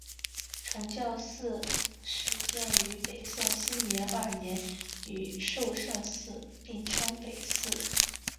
崇教寺始建于北宋熙宁二年与寿圣寺并称北寺。